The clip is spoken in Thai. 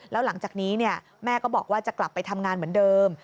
แล้วหลังจากนี้แม่ก็บอกว่าจะกลับไปทำงานเหมือนเดิม